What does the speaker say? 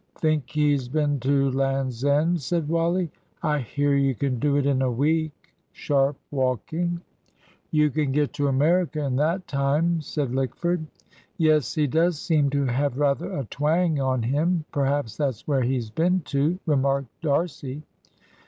"Think he's been to Land's End?" said Wally. "I hear you can do it in a week sharp walking." "You can get to America in that time," said Lickford. "Yes he does seem to have rather a twang on him. Perhaps that's where he's been to," remarked D'Arcy.